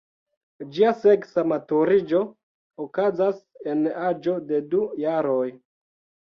Ĝia seksa maturiĝo okazas en aĝo de du jaroj.